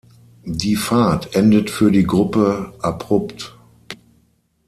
Die Fahrt endet für die Gruppe abrupt.